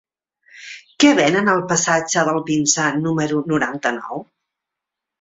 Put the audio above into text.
Què venen al passatge del Pinsà número noranta-nou?